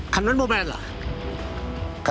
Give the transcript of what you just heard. คันนั้นว่าเปล่าล่ะ